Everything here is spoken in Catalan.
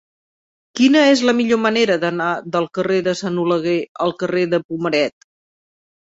Quina és la millor manera d'anar del carrer de Sant Oleguer al carrer de Pomaret?